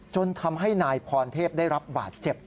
จนทำให้นายพรเทพได้รับบาดเจ็บ